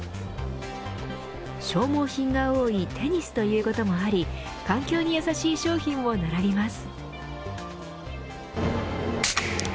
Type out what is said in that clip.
消耗品が多いテニスということもあり環境に優しい商品も並びます。